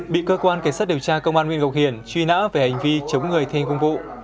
bị cơ quan cảnh sát điều tra công an huyện ngọc hiển truy nã về hành vi chống người thi hành công vụ